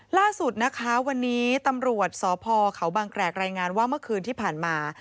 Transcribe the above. ล่าสุดนะคะวันนี้ตำรวจสพเขาบางแกรกรายงานว่าเมื่อคืนที่ผ่านมา